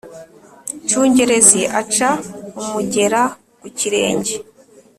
Nshungerezi aca umugera ku kirenge